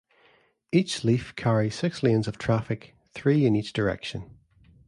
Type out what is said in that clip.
Each leaf carries six lanes of traffic-three in each direction.